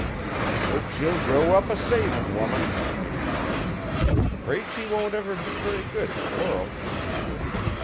'Hope she'll grow up a savin' woman,' he remarked. ''Fraid she won't never be very good t' worlt.'